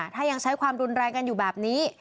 ถ้ายังใช้ความรุนแรงกันอยู่แบบนี้